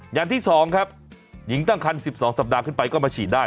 อย่างที่๒ครับหญิงตั้งคัน๑๒สัปดาห์ขึ้นไปก็มาฉีดได้